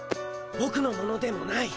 ボクのものでもない。